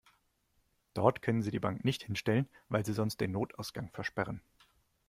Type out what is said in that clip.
Dort können Sie die Bank nicht hinstellen, weil Sie sonst den Notausgang versperren.